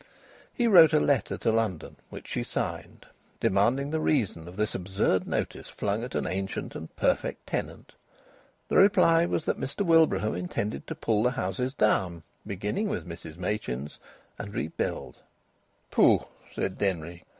He wrote a letter to London, which she signed, demanding the reason of this absurd notice flung at an ancient and perfect tenant. The reply was that Mr Wilbraham intended to pull the houses down, beginning with Mrs Machin's, and rebuild. "Pooh!" said Denry.